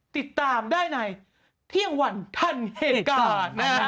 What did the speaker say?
ติดตามได้ในเที่ยงวันทันเหตุการณ์นะฮะ